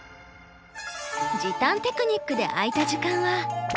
時短テクニックで空いた時間は。